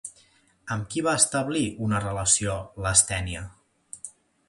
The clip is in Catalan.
Amb qui va establir una relació Lastènia?